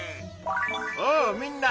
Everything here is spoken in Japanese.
おおみんな！